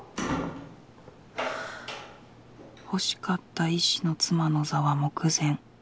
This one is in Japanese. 欲しかった医師の妻の座は目前